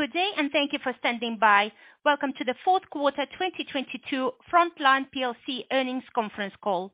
Good day and thank you for standing by. Welcome to The Q4 2022 Frontline PLC Earnings Conference Call.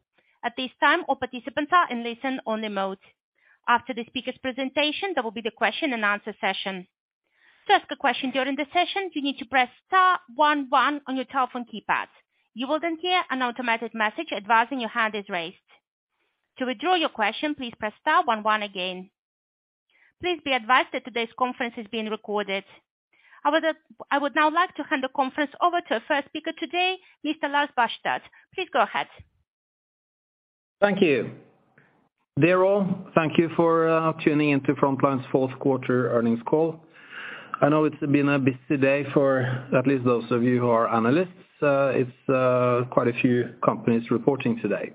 I would now like to hand the conference over to our first speaker today, Mr. Lars Barstad. Please go ahead. Thank you. Daryl, thank you for tuning into Frontline's Q4 earnings call. I know it's been a busy day for at least those of you who are analysts. It's quite a few companies reporting today.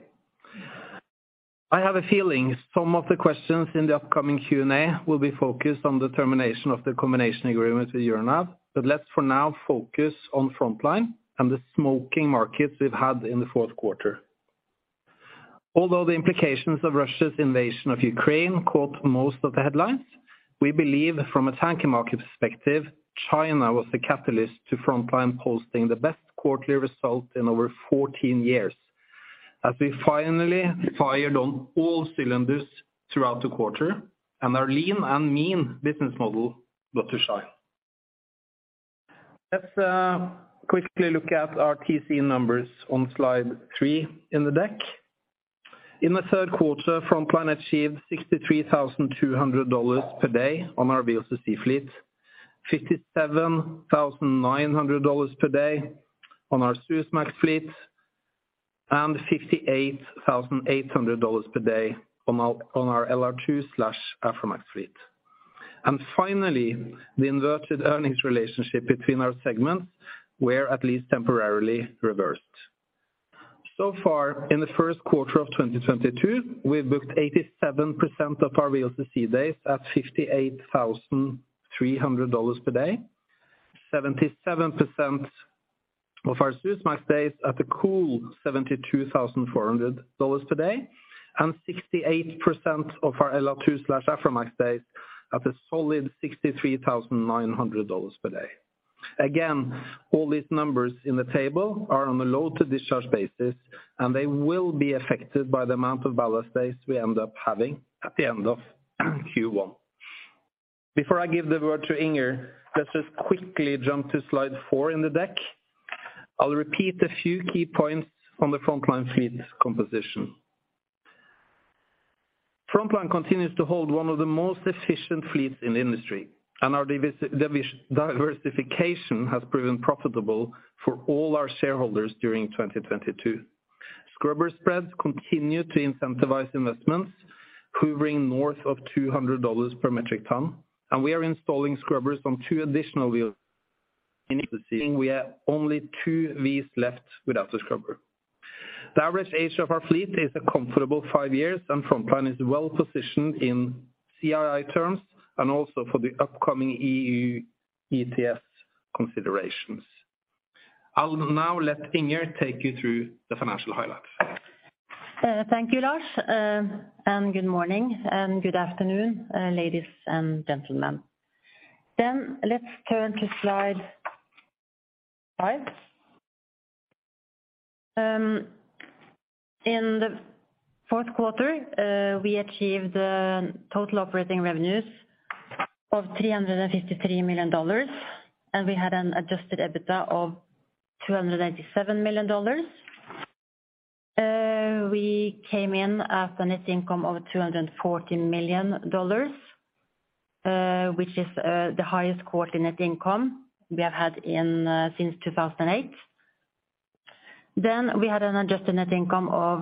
I have a feeling some of the questions in the upcoming Q&A will be focused on the termination of the combination agreement with Euronav. Let's for now focus on Frontline and the smoking markets we've had in the Q4. Although the implications of Russia's invasion of Ukraine caught most of the headlines, we believe from a tanker market perspective, China was the catalyst to Frontline posting the best quarterly result in over 14 years, as we finally fired on all cylinders throughout the quarter and our lean and mean business model got to shine. Let's quickly look at our TC numbers on slide three in the deck. In the Q3, Frontline achieved $63,200 per day on our VLCC fleet, $57,900 per day on our Suezmax fleet, and $58,800 per day on our LR2/Aframax fleet. Finally, the inverted earnings relationship between our segments were at least temporarily reversed. So far, in the first quarter of 2022, we've booked 87% of our VLCC days at $58,300 per day, 77% of our Suezmax days at a cool $72,400 per day, and 68% of our LR2/Aframax days at a solid $63,900 per day. Again, all these numbers in the table are on a load-to-discharge basis, they will be affected by the amount of ballast days we end up having at the end of Q1. Before I give the word to Inger, let's just quickly jump to slide four in the deck. I'll repeat a few key points on the Frontline fleet composition. Frontline continues to hold one of the most efficient fleets in the industry, and our diversification has proven profitable for all our shareholders during 2022. Scrubber spreads continue to incentivize investments hovering north of $200 per metric ton, and we are installing scrubbers on two additional. We have only two of these left without the scrubber. The average age of our fleet is a comfortable five years, and Frontline is well-positioned in CII terms and also for the upcoming EU ETS considerations. I will now let Inger take you through the financial highlights. Thank you, Lars, good morning and good afternoon, ladies and gentlemen. Let's turn to slide five. In the Q4, we achieved total operating revenues of $353 million, and we had an adjusted EBITDA of $287 million. We came in at a net income of $214 million, which is the highest quarter net income we have had since 2008. We had an adjusted net income of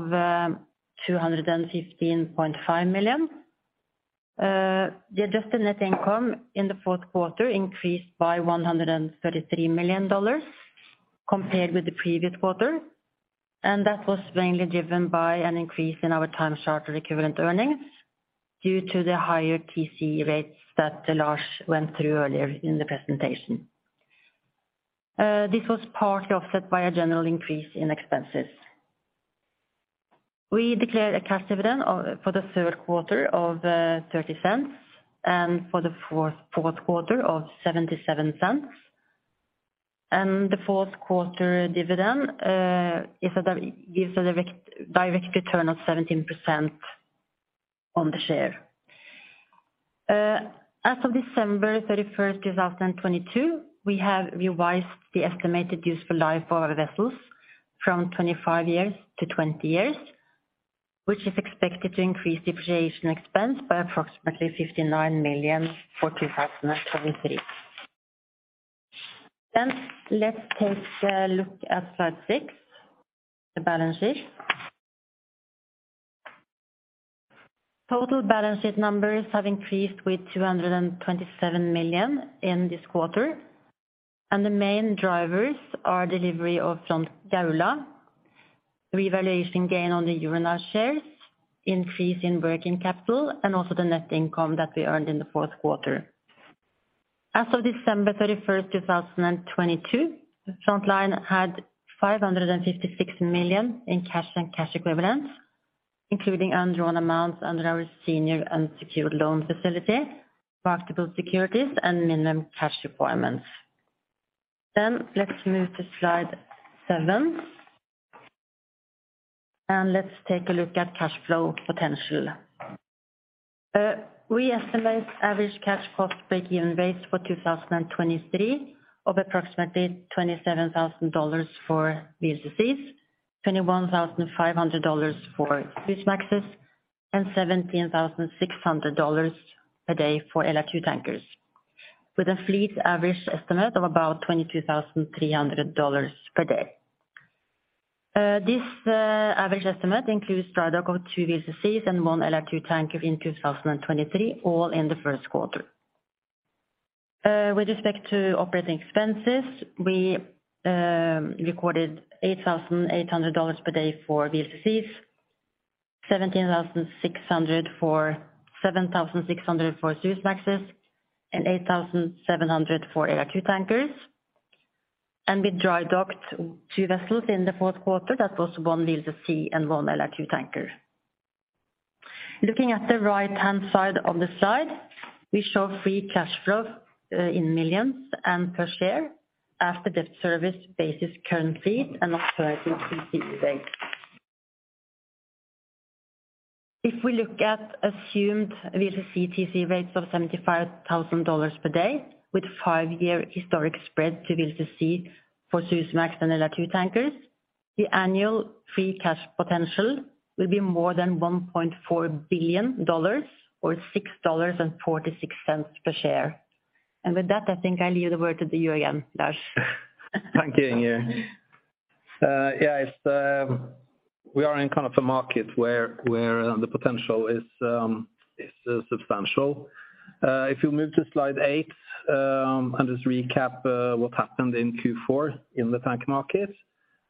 $215.5 million. The adjusted net income in the Q4 increased by $133 million compared with the previous quarter, that was mainly driven by an increase in our time charter equivalent earnings due to the higher TC rates that Lars went through earlier in the presentation. This was partly offset by a general increase in expenses. We declared a cash dividend of, for the Q3 of $0.30 and for the fourth quarter of $0.77. The Q4 dividend gives a direct return of 17% on the share. As of December 31, 2022, we have revised the estimated useful life of our vessels from 25 years to 20 years, which is expected to increase depreciation expense by approximately $59 million for 2023. Let's take a look at slide six, the balance sheet. Total balance sheet numbers have increased with $227 million in this quarter, and the main drivers are delivery of Front Gaula, revaluation gain on the Euronav shares, increase in working capital, and also the net income that we earned in the Q4. As of December 31, 2022, Frontline had $556 million in cash and cash equivalents. Including undrawn amounts under our senior unsecured loan facility, marketable securities and minimum cash requirements. Let's move to slide seven. Let's take a look at cash flow potential. We estimate average cash cost break-even rates for 2023 of approximately $27,000 for VLCCs, $21,500 for Suezmaxes, and $17,600 a day for LR2 tankers, with a fleet average estimate of about $22,300 per day. This average estimate includes drydock of two VLCCs and one LR2 tanker in 2023, all in the Q1. With respect to operating expenses, we recorded $8,800 per day for VLCCs. $7,600 for Suezmaxes, and $8,700 for LR2 tankers. We drydocked two vessels in the Q4. That was one VLCC and two LR2 tanker. Looking at the right-hand side on the slide, we show free cash flow, in millions and per share as the debt service bases current fleet and not third party. If we look at assumed VLCC TC rates of $75,000 per day with five-year historic spread to VLCC for Suezmax and LR2 tankers, the annual free cash potential will be more than $1.4 billion or $6.46 per share. With that, I think I leave the word to you again, Lars. Thank you, Inge. Yeah, it's, we are in kind of a market where the potential is substantial. If you move to slide eight, just recap what happened in Q4 in the tank market.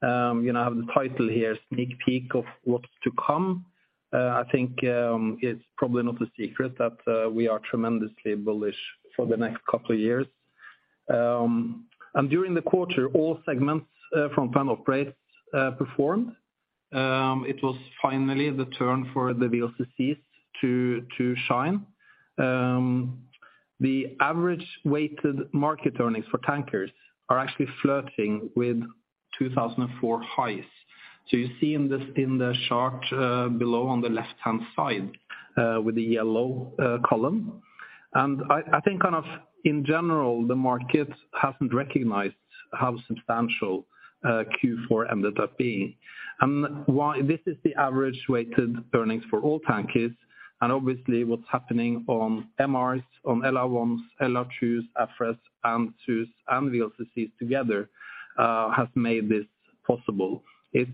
You now have the title here, sneak peek of what's to come. I think it's probably not a secret that we are tremendously bullish for the next couple of years. During the quarter, all segments, from front of rates, performed. It was finally the turn for the VLCCs to shine. The average weighted market earnings for tankers are actually flirting with 2004 highs. You see in the chart below on the left-hand side, with the yellow column. I think kind of in general, the market hasn't recognized how substantial Q4 ended up being. Why this is the average weighted earnings for all tankers and obviously what's happening on MRs, on LR1s, LR2s, AF8s, and Supras and VLCCs together has made this possible. It's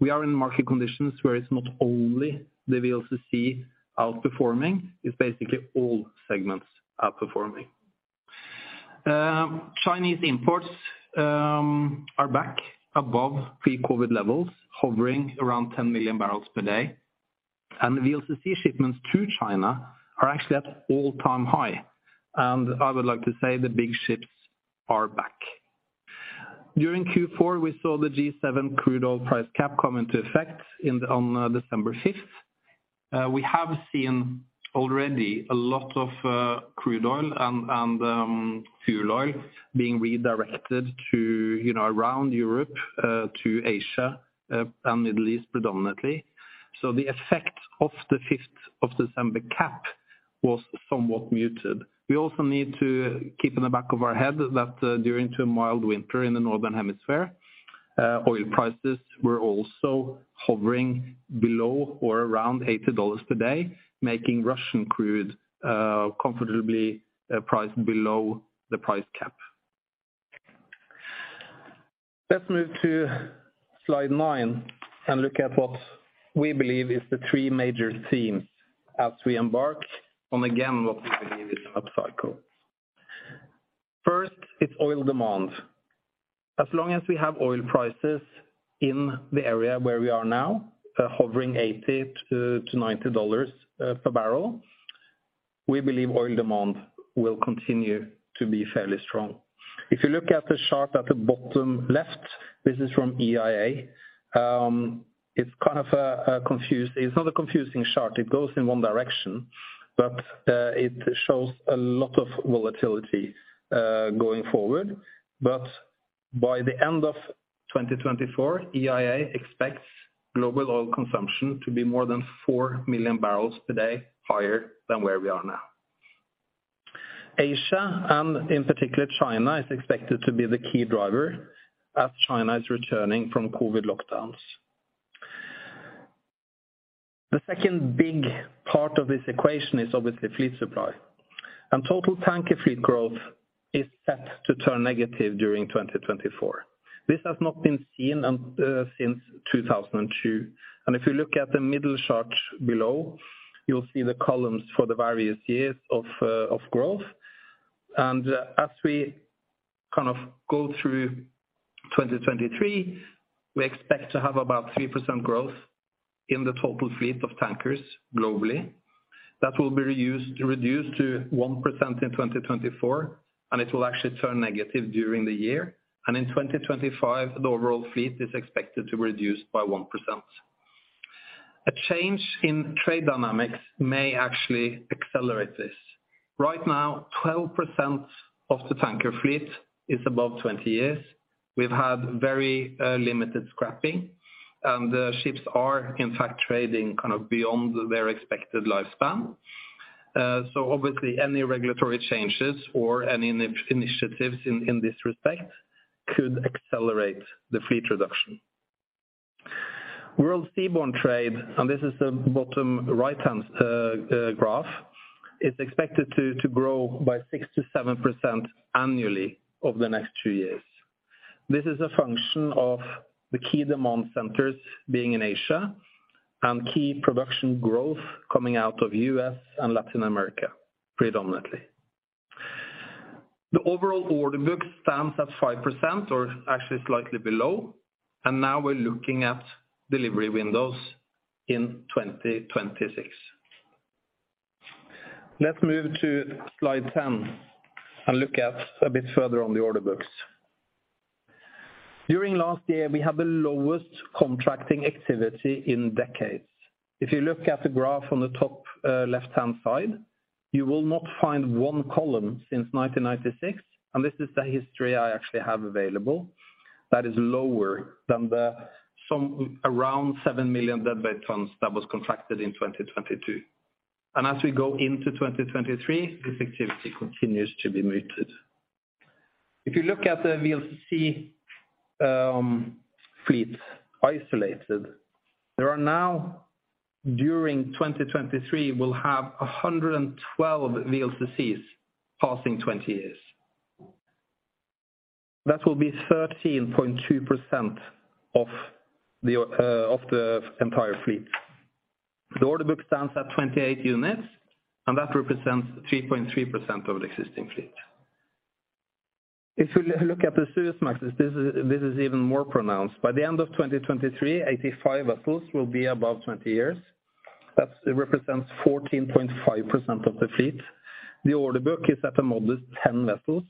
we are in market conditions where it's not only the VLCC outperforming, it's basically all segments outperforming. Chinese imports are back above pre-COVID levels, hovering around 10 million barrels per day. The VLCC shipments to China are actually at all-time high. I would like to say the big ships are back. During Q4, we saw the G7 crude oil price cap come into effect on December 5th. We have seen already a lot of crude oil and, fuel oil being redirected to, you know, around Europe to Asia, and Middle East predominantly. The effect of the fifth of December cap was somewhat muted. We also need to keep in the back of our head that, during to a mild winter in the Northern Hemisphere, oil prices were also hovering below or around $80 per day making Russian crude comfortably priced below the price cap. Let's move to slide nine and look at what we believe is the three major themes as we embark on again what we believe is upcycle. First, it's oil demand. As long as we have oil prices in the area where we are now, hovering $80-$90 per barrel, we believe oil demand will continue to be fairly strong. If you look at the chart at the bottom left, this is from EIA. It's not a confusing chart. It goes in one direction, but it shows a lot of volatility going forward. By the end of 2024, EIA expects global oil consumption to be more than for million barrels per day higher than where we are now. Asia, and in particular China, is expected to be the key driver as China is returning from COVID lockdowns. The second big part of this equation is obviously fleet supply. Total tanker fleet growth is set to turn negative during 2024. This has not been seen since 2002. If you look at the middle chart below, you'll see the columns for the various years of growth. As we kind of go through 2023, we expect to have about 3% growth in the total fleet of tankers globally. That will be reduced to 1% in 2024 and it will actually turn negative during the year. In 2025, the overall fleet is expected to reduce by 1%. A change in trade dynamics may actually accelerate this. Right now, 12% of the tanker fleet is above 20 years. We've had very limited scrapping and the ships are in fact trading kind of beyond their expected lifespan. So obviously any regulatory changes or any initiatives in this respect could accelerate the fleet reduction. World seaborne trade, and this is the bottom right-hand graph, is expected to grow by 67% annually over the next two years. This is a function of the key demand centers being in Asia and key production growth coming out of US and Latin America predominantly. The overall order book stands at 5% or actually slightly below and now we're looking at delivery windows in 2026. Let's move to slide 10 and look at a bit further on the order books. During last year, we had the lowest contracting activity in decades. If you look at the graph on the top left-hand side you will not find one column since 1996 and this is the history I actually have available. That is lower than the some around seven million deadweight tons that was contracted in 2022. As we go into 2023, this activity continues to be muted. If you look at the VLCC fleet isolated there are now, during 2023, we'll have 112 VLCCs passing 20 years. That will be 13.2% of the entire fleet. The order book stands at 28 units and that represents 3.3% of the existing fleet. If you look at the Suezmax, this is even more pronounced. By the end of 2023, 85 vessels will be above 20 years. That represents 14.5% of the fleet. The order book is at a modest 10 vessels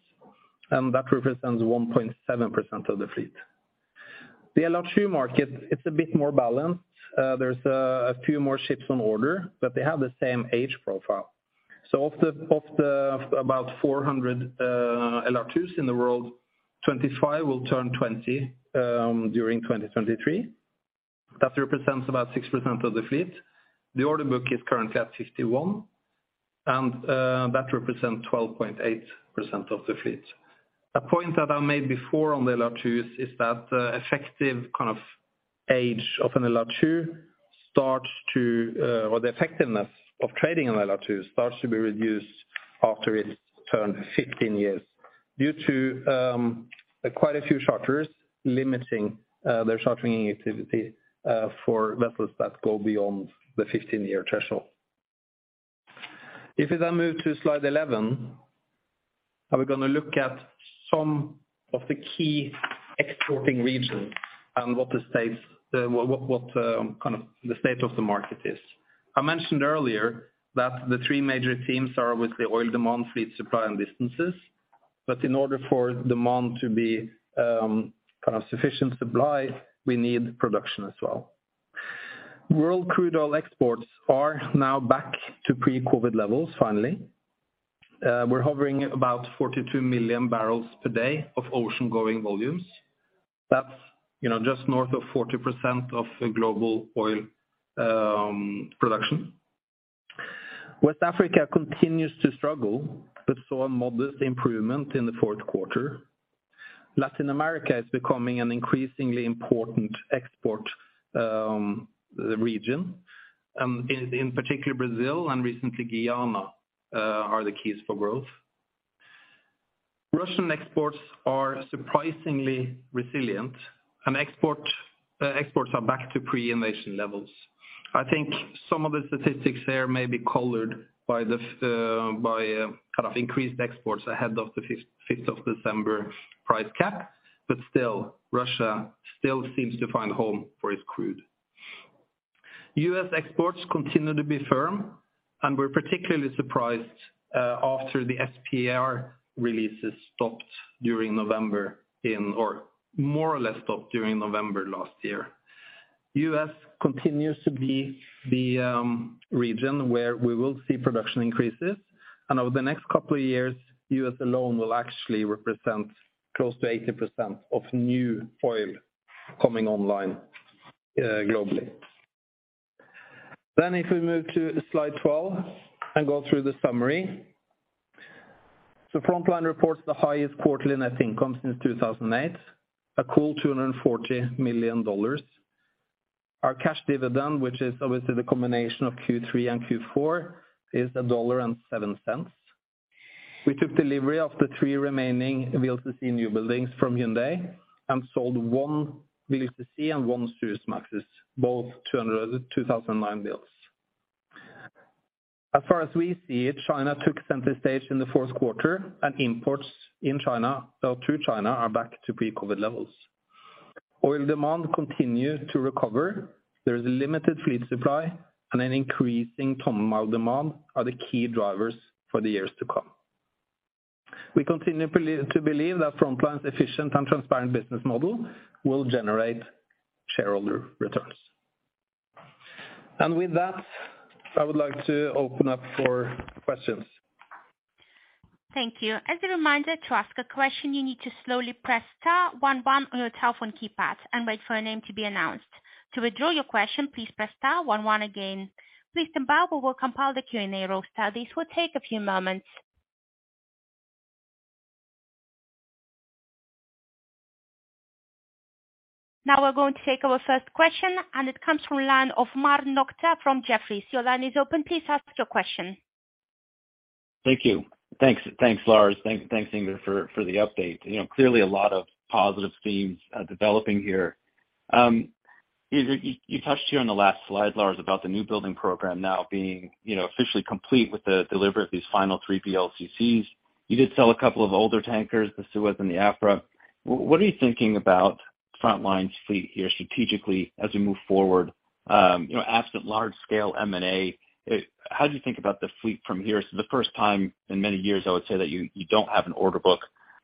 and that represents 1.7% of the fleet. The LR2 market, it's a bit more balanced. There's a few more ships on order, but they have the same age profile. Of the about 400 LR2s in the world, 25 will turn 20 during 2023. That represents about 6% of the fleet. The order book is currently at 51, and that represents 12.8% of the fleet. A point that I made before on the LR2s is that the effective kind of age of an LR2 starts to or the effectiveness of trading an LR2 starts to be reduced after it's turned 15 years due to quite a few charterers limiting their chartering activity for vessels that go beyond the 15-year threshold. If we move to slide 11, and we're gonna look at some of the key exporting regions and what the state, what kind of the state of the market is. I mentioned earlier that the three major themes are with the oil demand, fleet supply, and distances. In order for demand to be kind of sufficient supply we need production as well. World crude oil exports are now back to pre-COVID levels finally. We're hovering about 42 million barrels per day of ocean-going volumes. That's, you know, just north of 40% of global oil production. West Africa continues to struggle, but saw a modest improvement in the Q4. Latin America is becoming an increasingly important export region in particular Brazil and recently Guyana are the keys for growth. Russian exports are surprisingly resilient and exports are back to pre-invasion levels. I think some of the statistics there may be colored by the kind of increased exports ahead of the fifth of December price cap. Still, Russia still seems to find home for its crude. US exports continue to be firm, and we're particularly surprised after the SPR releases stopped during November or more or less stopped during November last year. US continues to be the region where we will see production increases. Over the next couple of years, US alone will actually represent close to 80% of new oil coming online globally. If we move to slide 12 and go through the summary. Frontline reports the highest quarterly net income since 2008, a cool $240 million. Our cash dividend, which is obviously the combination of Q3 and Q4 is $1.07. We took delivery of the three remaining VLCC new buildings from Hyundai and sold one VLCC and one Suezmax both 2009 builds. As far as we see China took center stage in the Q4, imports in China or through China are back to pre-COVID levels. Oil demand continues to recover. There is limited fleet supply, an increasing ton mile demand are the key drivers for the years to come. We continue to believe that Frontline's efficient and transparent business model will generate shareholder returns. With that, I would like to open up for questions. Thank you. Now we're going to take our first question, and it comes from the line of Omar Nokta from Jefferies. Your line is open. Please ask your question. Thank you. Thanks, Lars. Thanks, Inger, for the update. You know, clearly a lot of positive themes developing here. You touched here on the last slide, Lars, about the new building program now being, you know, officially complete with the delivery of these final three VLCCs. You did sell a couple of older tankers, the Suez and the Afra. What are you thinking about Frontline's fleet here strategically as we move forward, you know, absent large scale M&A, how do you think about the fleet from here? The first time in many years, I would say that you don't have an order book.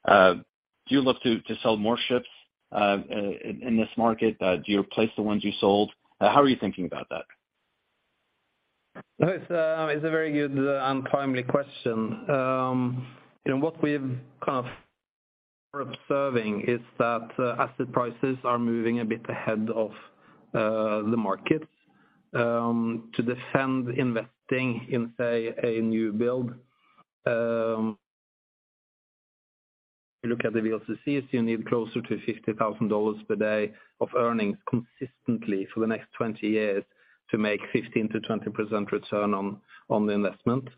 Do you look to sell more ships in this market? Do you replace the ones you sold? How are you thinking about that? No, it's a very good and timely question. What we've kind of are observing is that asset prices are moving a bit ahead of the markets to defend investing in, say, a new build. You look at the VLCCs, you need closer to $50,000 per day of earnings consistently for the next 20 years to make 15%-20% return on the investment.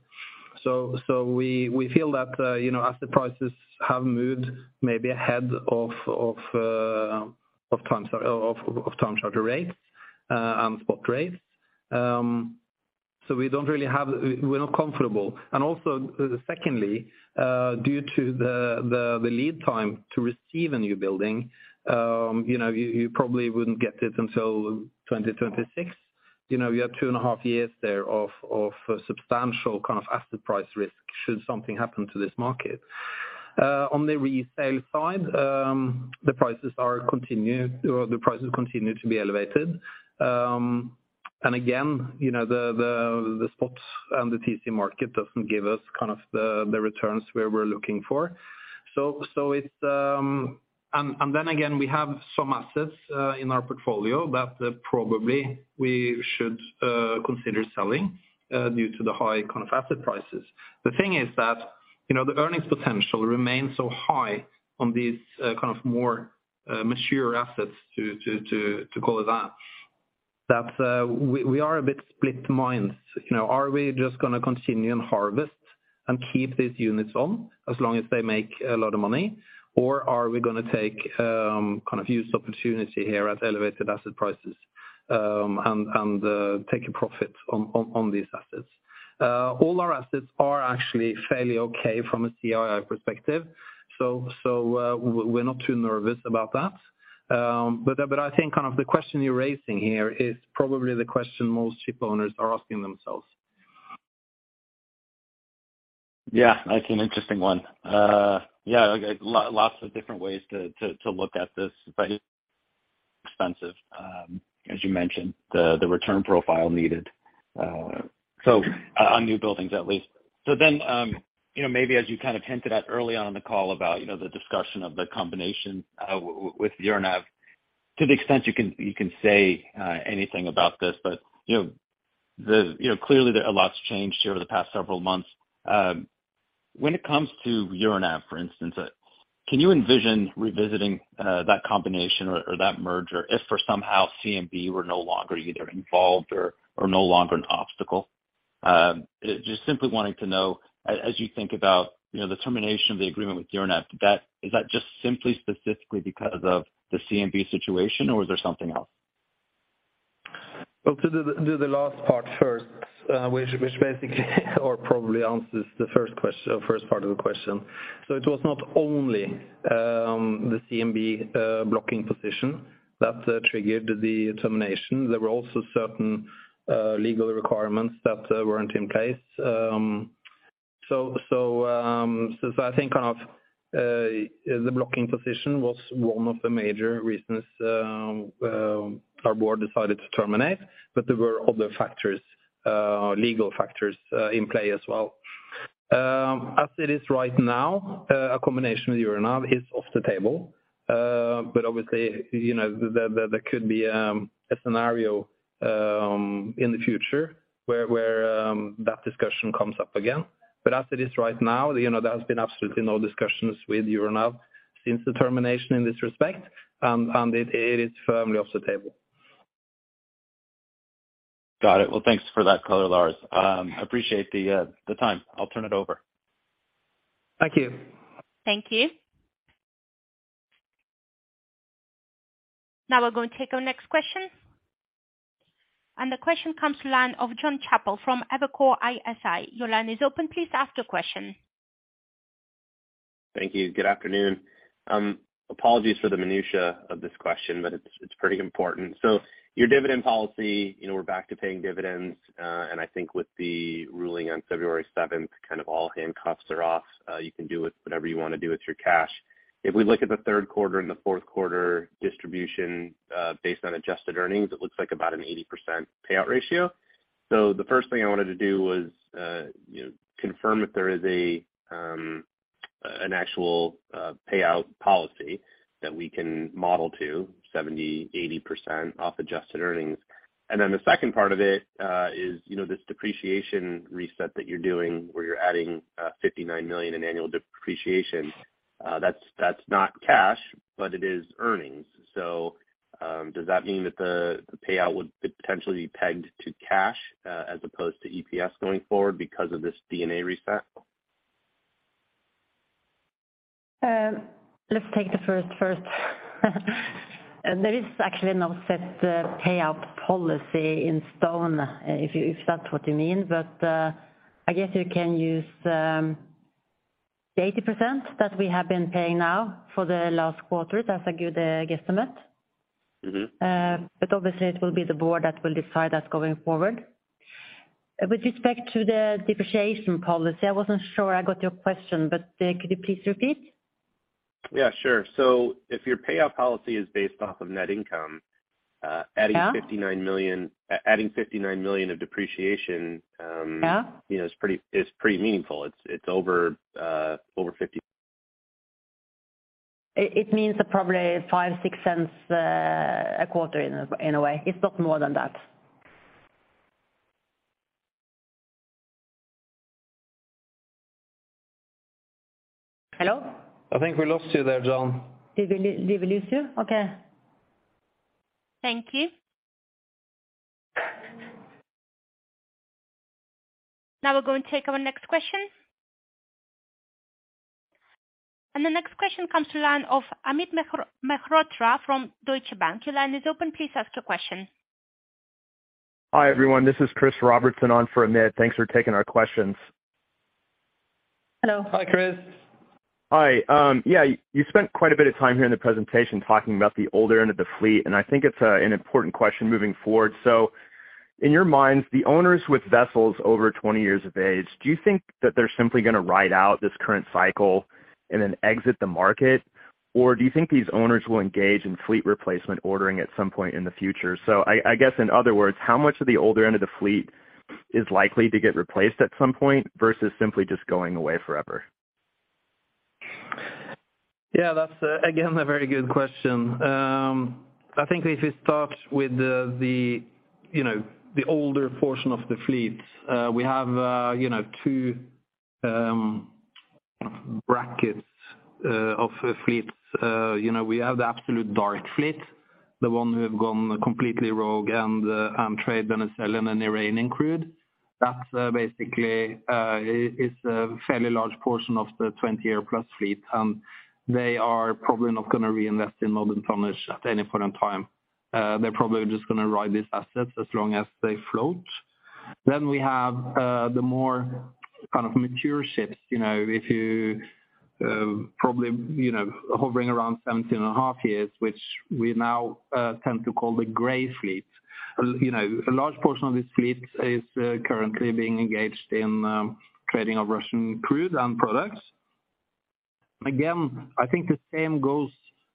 We feel that, you know, asset prices have moved maybe ahead of time, so of time charter rates and spot rates. We don't really have we're not comfortable. Also secondly, due to the lead time to receive a new building, you know, you probably wouldn't get it until 2026. You know, you have two and a half years there of substantial kind of asset price risk should something happen to this market. On the resale side, the prices continue to be elevated. Again, you know, the spot and the TC market doesn't give us kind of the returns where we're looking for. So it's... Again, we have some assets in our portfolio that probably we should consider selling due to the high kind of asset prices. The thing is that, you know, the earnings potential remains so high on these kind of more mature assets to call it that we are a bit split minds. You know, are we just gonna continue and harvest and keep these units on as long as they make a lot of money? Or are we gonna take, kind of use opportunity here at elevated asset prices, and take a profit on these assets? All our assets are actually fairly okay from a CI perspective. We're not too nervous about that. I think kind of the question you're raising here is probably the question most shipowners are asking themselves. It's an interesting one. Lots of different ways to look at this, but expensive. As you mentioned, the return profile needed, so on new buildings at least. You know, maybe as you kind of hinted at early on in the call about, you know, the discussion of the combination with Euronav, to the extent you can, you can say anything about this, but, you know, You know, clearly a lot's changed here over the past several months. When it comes to Euronav, for instance, can you envision revisiting that combination or that merger if for somehow CMB were no longer either involved or no longer an obstacle? Just simply wanting to know as you think about, you know, the termination of the agreement with Euronav, is that just simply specifically because of the CMB situation, or is there something else? Well, to do the last part first, which basically or probably answers the first part of the question. It was not only the CMB blocking position that triggered the termination. There were also certain legal requirements that weren't in place. I think of the blocking position was one of the major reasons our board decided to terminate, there were other factors, legal factors in play as well. As it is right now, a combination with Euronav is off the table. Obviously, you know, there could be a scenario in the future where that discussion comes up again. As it is right now, you know, there has been absolutely no discussions with Euronav since the termination in this respect and it is firmly off the table. Got it. Thanks for that color, Lars. Appreciate the time. I'll turn it over. Thank you. Thank you. Now we're going to take our next question. The question comes to line of Jon Chappell from Evercore ISI. Your line is open. Please ask your question. Thank you. Good afternoon. Apologies for the minutiae of this question, but it's pretty important. Your dividend policy, you know, we're back to paying dividends and I think with the ruling on February 7th, kind of all handcuffs are off. You can do with whatever you wanna do with your cash. If we look at the Q3 and the Q4 distribution, based on adjusted earnings, it looks like about an 80% payout ratio. The first thing I wanted to do was, you know, confirm if there is an actual payout policy that we can model to 70%-80% off adjusted earnings. The second part of it is, you know, this depreciation reset that you're doing, where you're adding $59 million in annual depreciation. That's not cash but it is earnings. Does that mean that the payout would potentially be pegged to cash as opposed to EPS going forward because of this D&A reset? Let's take the first. There is actually no set payout policy in stone, if you, if that's what you mean. I guess you can use the 80% that we have been paying now for the Q4. That's a good guesstimate. Mm-hmm. Obviously it will be the board that will decide that going forward. With respect to the depreciation policy, I wasn't sure I got your question, could you please repeat? Yeah, sure. If your payout policy is based off of net income. Yeah. adding $59 million of depreciation. Yeah you know, is pretty meaningful. It's over. It means that probably $0.05-$0.06 a quarter in a way. It's not more than that. Hello? I think we lost you there, Jon. Did we lose you? Okay. Thank you. We're going to take our next question. The next question comes to line of Amit Mehrotra from Deutsche Bank. Your line is open. Please ask your question. Hi, everyone. This is Chris Robertson on for Amit. Thanks for taking our questions. Hello. Hi, Chris. Hi. Yeah, you spent quite a bit of time here in the presentation talking about the older end of the fleet and I think it's an important question moving forward. In your minds, the owners with vessels over 20 years of age, do you think that they're simply gonna ride out this current cycle and then exit the market? Do you think these owners will engage in fleet replacement ordering at some point in the future? I guess, in other words, how much of the older end of the fleet is likely to get replaced at some point versus simply just going away forever? Yeah, that's again, a very good question. I think if you start with the, you know, the older portion of the fleet, we have, you know, two brackets of the fleet. You know, we have the absolute dark fleet the one who have gone completely rogue and trade Venezuelan and Iranian crude. That basically is a fairly large portion of the 20-year plus fleet and they are probably not gonna reinvest in modern tonnage at any point in time. They're probably just gonna ride these assets as long as they float. We have the more kind of mature ships, you know, if you probably, you know, hovering around 17.5 years, which we now tend to call the gray fleet. You know, a large portion of this fleet is currently being engaged in trading of Russian crude and products. I think the same goes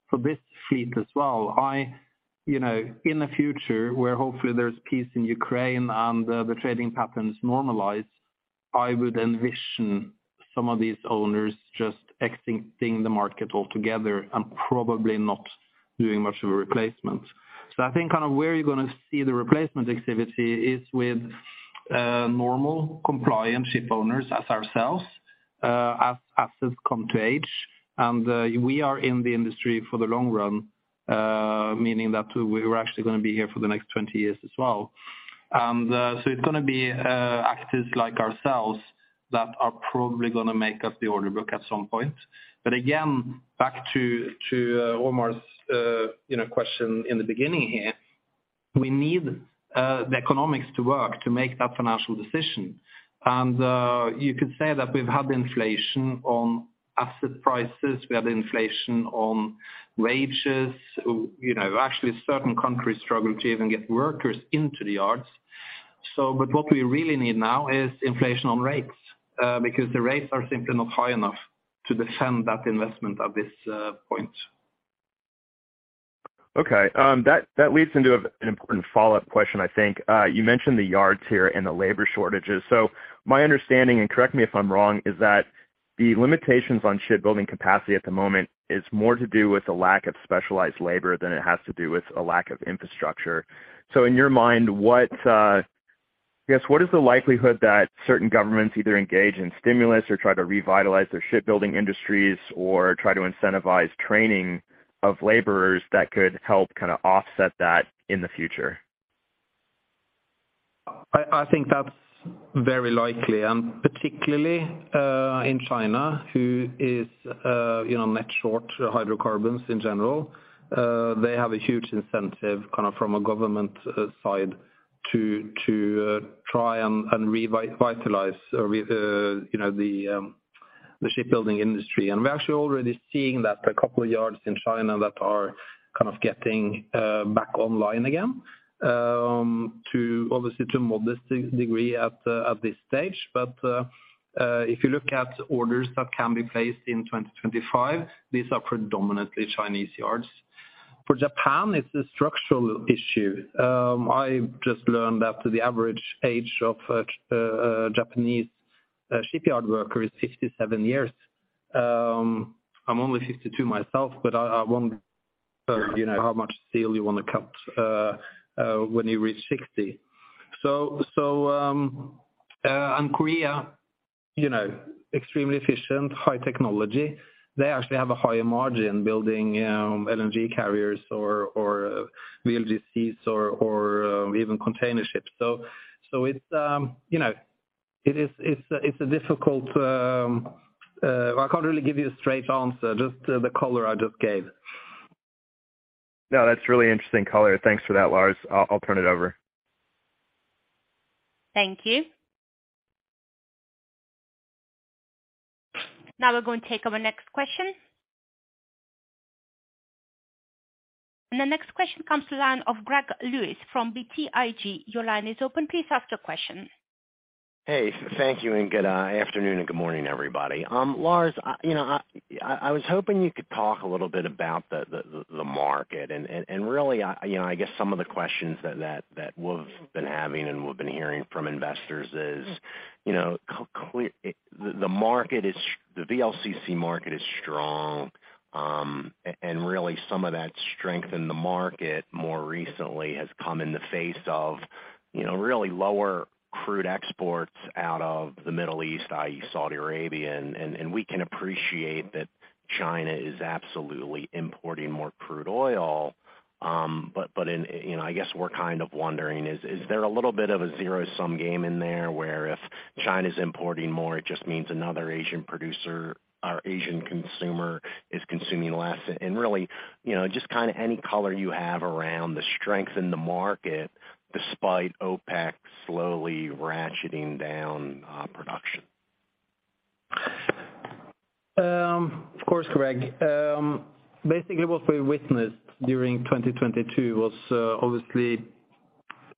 for this fleet as well. I, you know, in the future where hopefully there's peace in Ukraine and the trading patterns normalize, I would envision some of these owners just exiting the market altogether and probably not doing much of a replacement. I think kind of where you're gonna see the replacement activity is with normal compliant shipowners as ourselves as assets come to age. We are in the industry for the long run, meaning that we're actually gonna be here for the next 20 years as well. It's gonna be actors like ourselves that are probably gonna make up the order book at some point. Again, back to Omar's, you know, question in the beginning here, we need the economics to work to make that financial decision. You could say that we've had inflation on asset prices. We have inflation on wages. You know, actually, certain countries struggle to even get workers into the yards. What we really need now is inflation on rates because the rates are simply not high enough to defend that investment at this point. Okay. That leads into an important follow-up question, I think. You mentioned the yards here and the labor shortages. My understanding, and correct me if I'm wrong is that the limitations on shipbuilding capacity at the moment is more to do with the lack of specialized labor than it has to do with a lack of infrastructure. In your mind, what, I guess what is the likelihood that certain governments either engage in stimulus or try to revitalize their shipbuilding industries or try to incentivize training of laborers that could help kind of offset that in the future? I think that's very likely, and particularly in China who is, you know, net short hydrocarbons in general. They have a huge incentive kind of from a government side to try and revitalize or re- you know, the shipbuilding industry. We're actually already seeing that a couple of yards in China that are kind of getting back online again to obviously to a modest degree at this stage. If you look at orders that can be placed in 2025, these are predominantly Chinese yards. For Japan, it's a structural issue. I just learned that the average age of a Japanese shipyard worker is 67 years. I'm only 52 myself, but I wonder, you know, how much steel you wanna cut when you reach 60. Korea, you know, extremely efficient high technology. They actually have a higher margin building LNG carriers or VLGCs or even container ships. It's, you know, it's a difficult. I can't really give you a straight answer, just the color I just gave. No, that's really interesting color. Thanks for that, Lars. I'll turn it over. Thank you. Now we're going to take our next question. The next question comes to line of Gregory Lewis from BTIG. Your line is open. Please ask your question. Hey, thank you, and good afternoon and good morning, everybody. Lars, you know, I was hoping you could talk a little bit about the market and really, you know, I guess some of the questions that we've been having and we've been hearing from investors is, you know, the VLCC market is strong. Really some of that strength in the market more recently has come in the face of, you know, really lower crude exports out of the Middle East, i.e., Saudi Arabia, and we can appreciate that China is absolutely importing more crude oil. In, you know, I guess we're kind of wondering is there a little bit of a zero-sum game in there, where if China's importing more, it just means another Asian producer or Asian consumer is consuming less? Really, you know, just kind a any color you have around the strength in the market despite OPEC slowly ratcheting down production. Of course, Greg. Basically what we witnessed during 2022 was, obviously,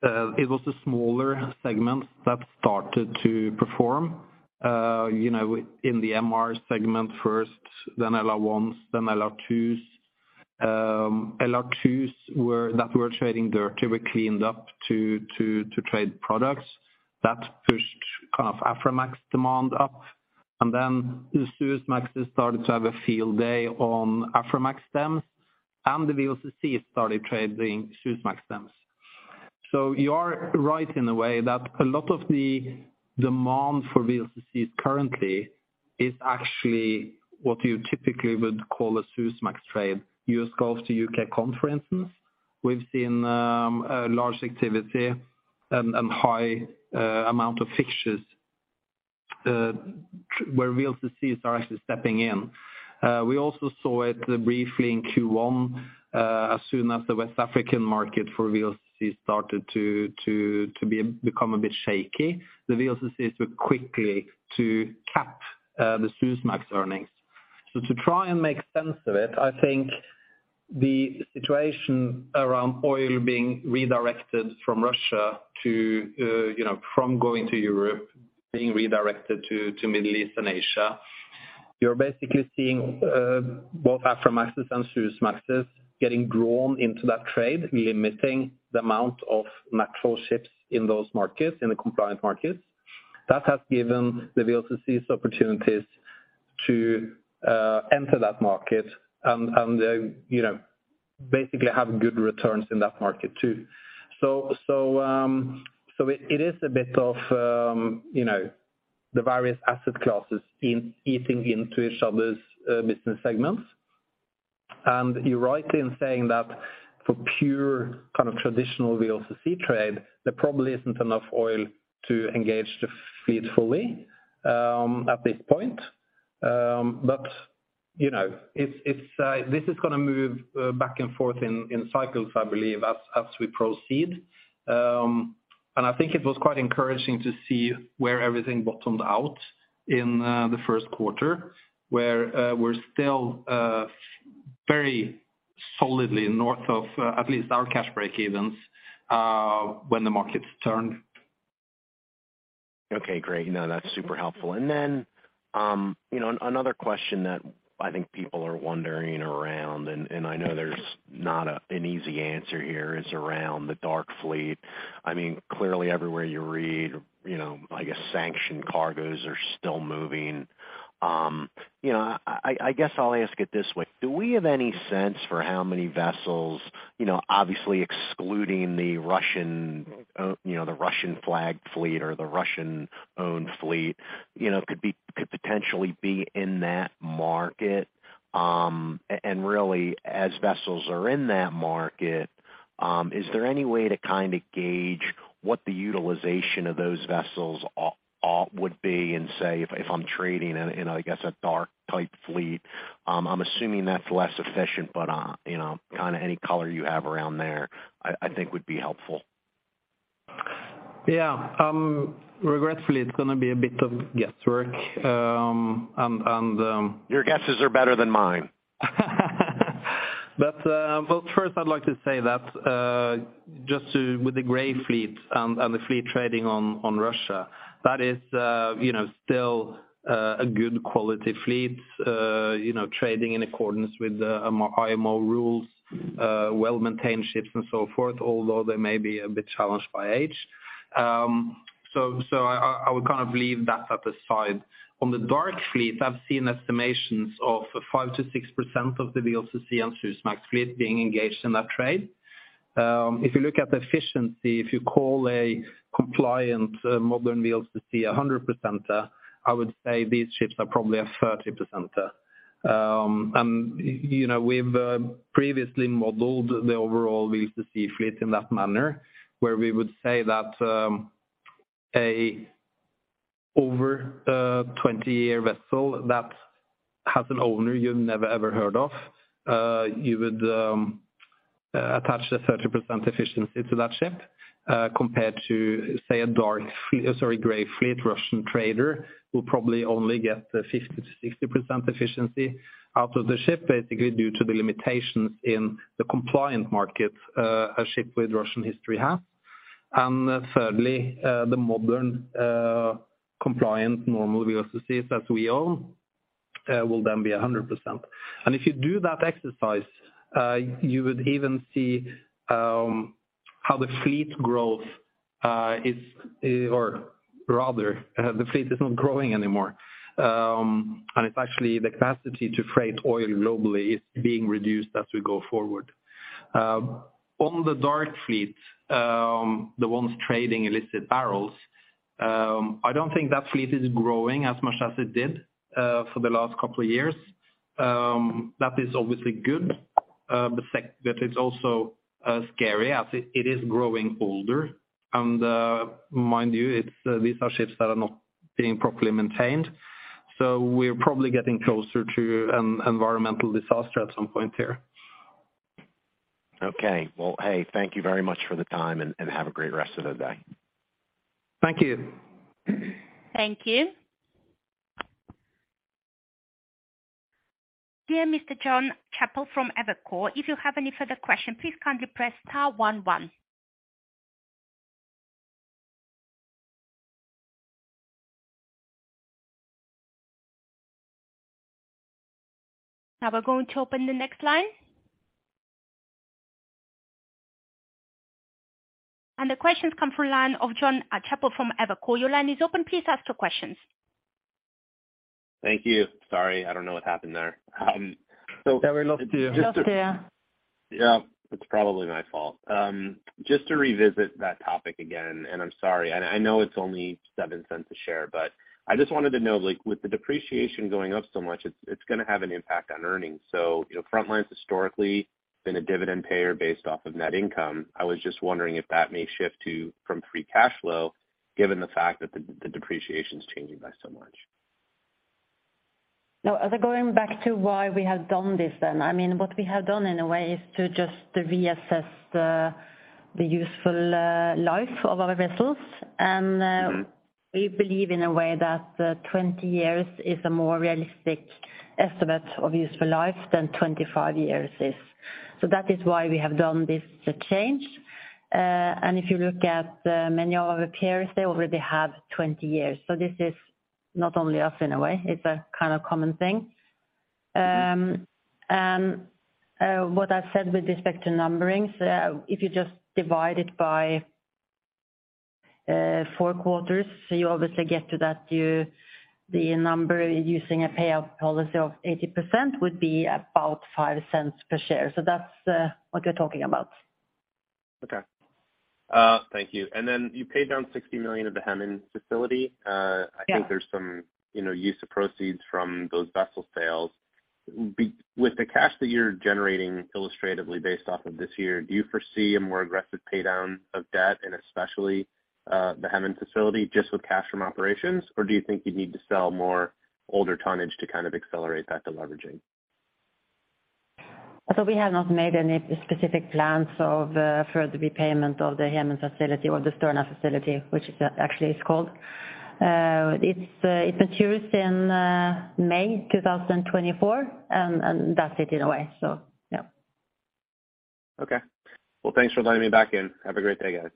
it was the smaller segments that started to perform, you know, in the MR segment first, then LR1s, then LR2s. LR2s that were trading dirty were cleaned up to trade products. That pushed kind of Aframax demand up. Then the Suezmax started to have a field day on Aframax stems, and the VLCC started trading Suezmax stems. You are right in a way that a lot of the demand for VLCCs currently is actually what you typically would call a Suezmax trade. US Gulf to UK-Continent, we've seen a large activity and high amount of fixtures where VLCCs are actually stepping in. We also saw it briefly in Q1, as soon as the West African market for VLCC started to become a bit shaky. The VLCCs were quickly to cap the Suezmax earnings. To try and make sense of it, I think the situation around oil being redirected from Russia to, you know, from going to Europe, being redirected to Middle East and Asia, you're basically seeing both Aframaxes and Suezmaxes getting drawn into that trade, limiting the amount of natural ships in those markets, in the compliant markets. That has given the VLCCs opportunities to enter that market and, you know, basically have good returns in that market too. It is a bit of, you know, the various asset classes eating into each other's business segments. You're right in saying that for pure kind of traditional VLCC trade, there probably isn't enough oil to engage the fleet fully at this point. You know, it's, this is gonna move, back and forth in cycles, I believe, as we proceed. I think it was quite encouraging to see where everything bottomed out in the Q1, where we're still very solidly north of at least our cash break evens when the markets turn. Okay, great. No, that's super helpful. Then, you know, another question that I think people are wondering around and I know there's not a, an easy answer here, is around the dark fleet. I mean, clearly everywhere you read, you know, I guess sanctioned cargoes are still moving. You know, I guess I'll ask it this way. Do we have any sense for how many vessels, you know, obviously excluding the Russian, you know, the Russian-flagged fleet or the Russian-owned fleet, you know, could potentially be in that market? Really, as vessels are in that market. Is there any way to kind a gauge what the utilization of those vessels would be in, say, if I'm trading in, I guess, a dark fleet? I'm assuming that's less efficient, but, you know, kind a any color you have around there, I think would be helpful. Yeah. Regretfully, it's gonna be a bit of guesswork. Your guesses are better than mine. Well, first I'd like to say that just with the gray fleet and the fleet trading on Russia, that is, you know, still a good quality fleet, you know, trading in accordance with the IMO rules, well-maintained ships and so forth, although they may be a bit challenged by age. I would kind of leave that at the side. On the dark fleet, I've seen estimations of 5%-6% of the VLCC and Suezmax fleet being engaged in that trade. If you look at the efficiency, if you call a compliant modern VLCC a 100 percenter, I would say these ships are probably a 30 percenter. You know, we've previously modeled the overall VLCC fleet in that manner, where we would say that a over 20-year vessel that has an owner you've never ever heard of, you would attach a 30% efficiency to that ship, compared to, say, a dark fleet-- sorry, gray fleet Russian trader will probably only get 50%-60% efficiency out of the ship, basically due to the limitations in the compliant markets, a ship with Russian history has. Thirdly, the modern, compliant normal VLCCs that we own will then be 100%. If you do that exercise, you would even see how the fleet growth is, or rather the fleet is not growing anymore. It's actually the capacity to freight oil globally is being reduced as we go forward. On the dark fleet, the ones trading illicit barrels, I don't think that fleet is growing as much as it did for the last couple of years. That is obviously good, but it's also scary as it is growing older. Mind you these are ships that are not being properly maintained, so we're probably getting closer to environmental disaster at some point here. Okay. Well, hey, thank you very much for the time and have a great rest of the day. Thank you. Thank you. Dear Mr. Jon Chappell from Evercore, if you have any further question, please kindly press star one one. We're going to open the next line. The questions come from line of Jon Chappell from Evercore. Your line is open. Please ask your questions. Thank you. Sorry, I don't know what happened there. Yeah, we lost you. Lost you. Yeah, it's probably my fault. Just to revisit that topic again, and I'm sorry, and I know it's only $0.07 a share, but I just wanted to know, like, with the depreciation going up so much, it's gonna have an impact on earnings. You know, Frontline's historically been a dividend payer based off of net income. I was just wondering if that may shift to from free cash flow, given the fact that the depreciation's changing by so much. No. As I'm going back to why we have done this then, I mean, what we have done in a way is to just to reassess the useful life of our vessels. Mm-hmm. we believe in a way that 20 years is a more realistic estimate of useful life than 25 years is. That is why we have done this change. If you look at many of our peers they already have 20 years. This is not only us in a way, it's a kind of common thing. What I've said with respect to numberings, if you just divide it by Q4, you obviously get to that the number using a payout policy of 80% would be about $0.05 per share. That's what you're talking about. Thank you. You paid down $60 million of the Hemen facility. Yeah. I think there's some, you know, use of proceeds from those vessel sales. With the cash that you're generating illustratively based off of this year, do you foresee a more aggressive pay down of debt and especially the Hemen facility just with cash from operations? Or do you think you need to sell more older tonnage to kind of accelerate that deleveraging? We have not made any specific plans of further repayment of the Hemen facility or the Stena facility, which is actually, it's called. It matures in May 2024, and that's it in a way. Yeah. Okay. Well, thanks for letting me back in. Have a great day, guys.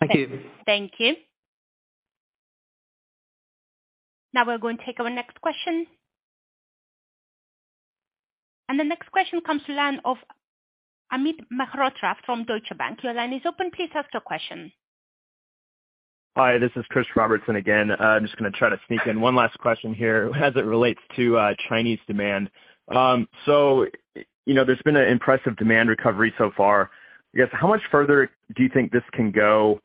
Thank you. Thank you. Now we're going to take our next question. The next question comes to line of Amit Mehrotra from Deutsche Bank. Your line is open. Please ask your question. Hi, this is Chris Robertson again. I'm just gonna try to sneak in one last question here as it relates to Chinese demand. You know, there's been an impressive demand recovery so far. I guess, how much further do you think this can go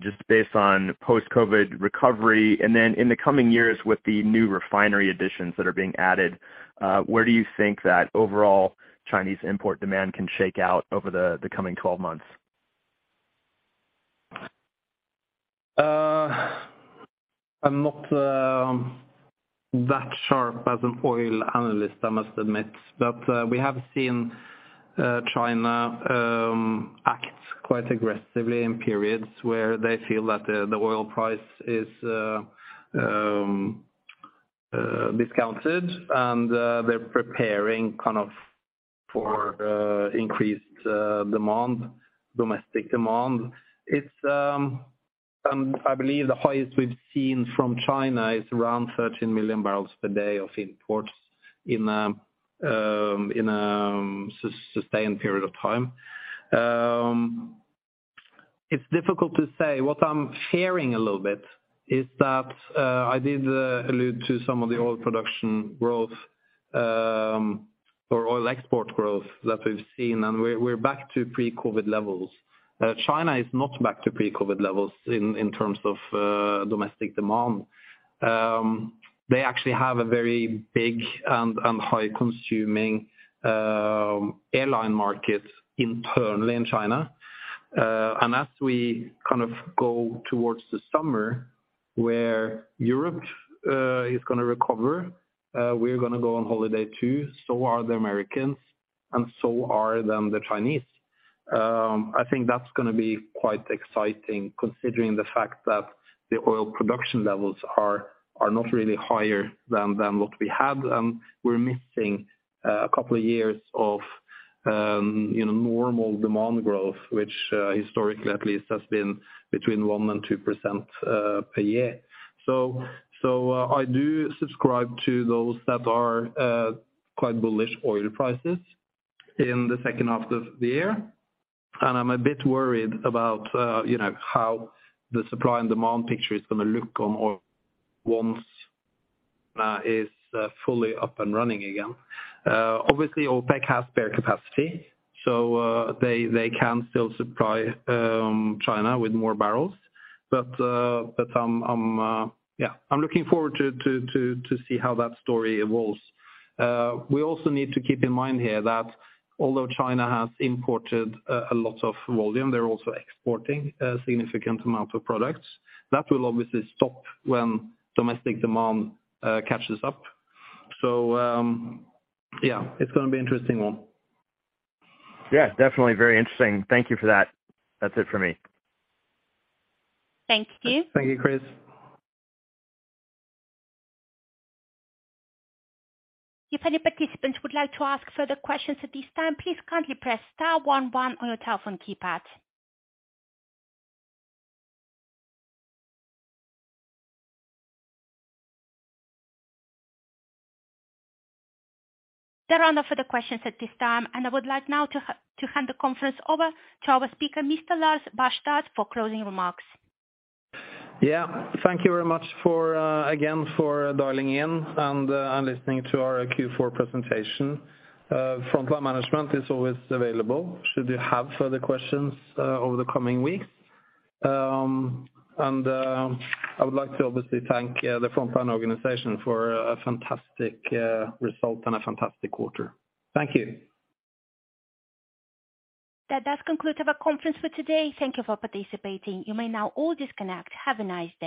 just based on post-COVID recovery? Then in the coming years with the new refinery additions that are being added, where do you think that overall Chinese import demand can shake out over the coming 12 months? I'm not that sharp as an oil analyst, I must admit. We have seen China act quite aggressively in periods where they feel that the oil price is discounted, and they're preparing kind of for increased demand, domestic demand. I believe the highest we've seen from China is around 13 million barrels per day of imports in a sustained period of time. It's difficult to say. What I'm fearing a little bit is that I did allude to some of the oil production growth or oil export growth that we've seen, and we're back to pre-COVID levels. China is not back to pre-COVID levels in terms of domestic demand. They actually have a very big and high-consuming airline market internally in China. As we kind of go towards the summer where Europe is gonna recover, we're gonna go on holiday too, so are the Americans, so are the Chinese. I think that's gonna be quite exciting considering the fact that the oil production levels are not really higher than what we had, and we're missing a couple of years of, you know, normal demand growth, which historically at least has been between 1% and 2% per year. I do subscribe to those that are quite bullish oil prices in the second half of the year, and I'm a bit worried about, you know, how the supply and demand picture is gonna look on oil once it's fully up and running again. Obviously OPEC has spare capacity, they can still supply China with more barrels. Yeah, I'm looking forward to see how that story evolves. We also need to keep in mind here that although China has imported a lot of volume, they're also exporting a significant amount of products. That will obviously stop when domestic demand catches up. Yeah, it's gonna be interesting one. Yeah, definitely very interesting. Thank you for that. That's it for me. Thank you. Thank you, Chris. There are no further questions at this time. I would like now to hand the conference over to our speaker, Mr. Lars Barstad, for closing remarks. Yeah. Thank you very much for again, for dialing in and listening to our Q4 presentation. Frontline Management is always available should you have further questions over the coming weeks. I would like to obviously thank the Frontline organization for a fantastic result and a fantastic quarter. Thank you. That does conclude our conference for today. Thank Thank you for participating. You may now all disconnect. Have a nice day.